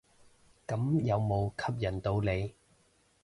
咁有無吸引到你？